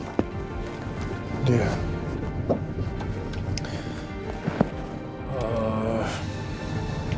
jadi bariskan pak